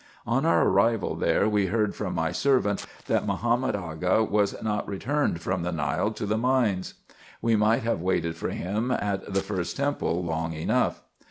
On our arrival there, we heard from my servant, that Mahomet Aga was not returned from the Nile to the mines. We might have waited for him at the first temple long enough.